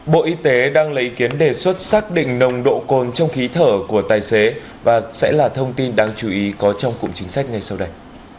bộ y tế đang lấy ý kiến đề xuất xác định nồng độ cồn trong khí thở của tài xế và sẽ là thông tin đáng chú ý có trong cụm chính sách ngay sau đây